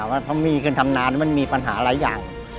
เพราะมีขึ้นทำนามันมีปัญหาหลายอย่าง